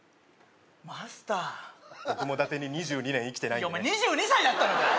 マスター僕もだてに２２年生きてないんでお前２２歳だったのかよ！